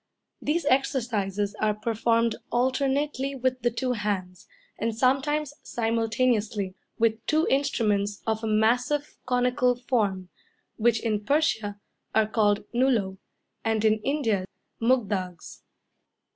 These exercises are performed alternately with the two hands, and sometimes simultaneously, with two instruments of a massive conical form, which in Persia are called nulo, and in India mugdaughs.